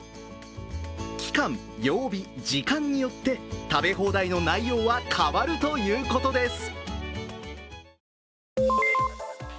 期間、曜日、時間によって食べ放題の内容は変わるということです。